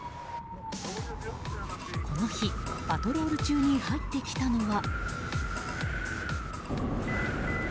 この日、パトロール中に入ってきたのは。